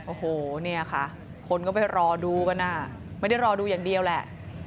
โอ้โหเนี่ยค่ะคนก็ไปรอดูกันอ่ะไม่ได้รอดูอย่างเดียวแหละ